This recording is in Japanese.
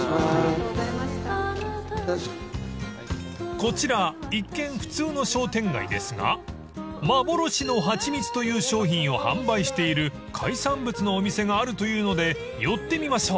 ［こちら一見普通の商店街ですが幻のはちみつという商品を販売している海産物のお店があるというので寄ってみましょう］